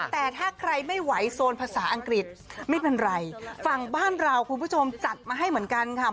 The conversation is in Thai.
แต่ถ้าใครไม่ไหวโซนภาษาอังกฤษไม่เป็นไรฝั่งบ้านเราคุณผู้ชมจัดมาให้เหมือนกันค่ะ